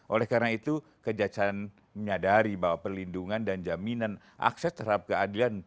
oleh karena itu kejaksaan menyadari bahwa perlindungan dan jaminan akses terhadap keadilan